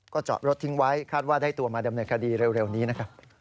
จอดรถทิ้งไว้คาดว่าได้ตัวมาดำเนินคดีเร็วนี้นะครับ